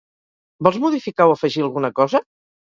Vols modificar o afegir alguna cosa?